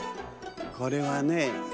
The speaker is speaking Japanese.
これはね